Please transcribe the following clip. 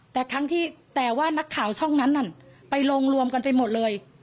แต่ครั้งที่แต่ว่านักข่าวช่องนั้นนั่นไปลงรวมกันไปหมดเลย